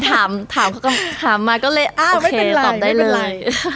ถามถามเขาก็ถามมาก็เลยอ่าไม่เป็นไรตอบได้เลยไม่เป็น